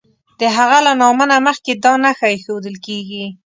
د هغه له نامه نه مخکې دا نښه ایښودل کیږي.